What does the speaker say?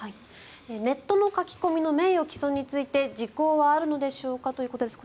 ネットの書き込みの名誉毀損について時効はあるのでしょうかということです。